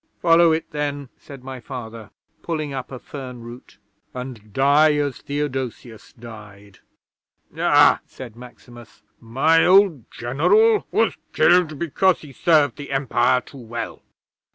'"Follow it, then," said my Father, pulling up a fern root; "and die as Theodosius died." '"Ah!" said Maximus. "My old General was killed because he served the Empire too well.